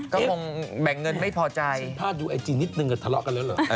ก็คงแบ่งเงินไม่พอใจพาดดูไอจีนิดนึงก็ทะเลาะกันแล้วเหรอ